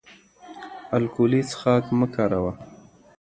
الکولي څښاک مه کاروه